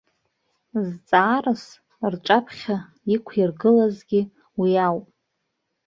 Зҵаарас рҿаԥхьа иқәиргылазгьы уи ауп.